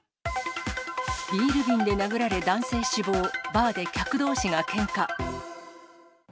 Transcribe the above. ビール瓶で殴られ、男性死亡、バーで客どうしがけんか。